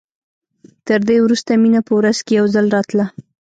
تر دې وروسته مينه په ورځ کښې يو ځل راتله.